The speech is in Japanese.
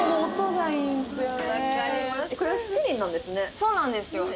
そうなんですよ。